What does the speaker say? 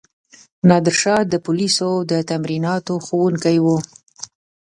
نادرشاه د پولیسو د تمریناتو ښوونکی وو.